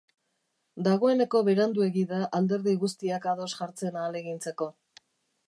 Dagoeneko beranduegi da alderdi guztiak ados jartzen ahalegintzeko.